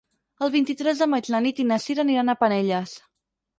El vint-i-tres de maig na Nit i na Sira aniran a Penelles.